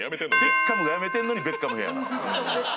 ベッカムがやめてるのにベッカムヘア。